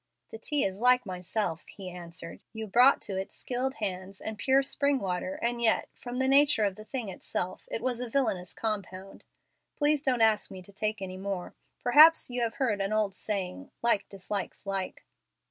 "The tea is like myself," he answered. "You brought to it skilled hands and pure spring water, and yet, from the nature of the thing itself, it was a villanous compound. Please don't ask me to take any more. Perhaps you have heard an old saying, 'Like dislikes like.'"